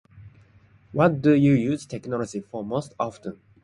What do you use technology for most often?